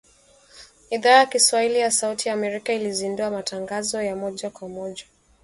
Idhaa ya Kiswahili ya Sauti ya Amerika ilizindua matangazo ya moja kwa moja